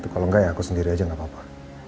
kalau enggak ya aku sendiri aja nggak apa apa